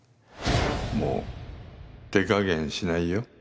もう手加減しないよ